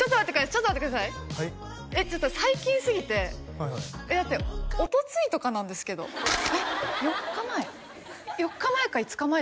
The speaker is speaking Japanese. ちょっと最近すぎてだっておとついとかなんですけどえっ４日前？